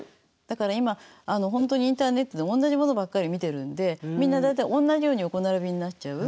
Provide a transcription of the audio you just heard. だから今本当にインターネットでおんなじものばっかり見てるんでみんな大体おんなじように横並びになっちゃう。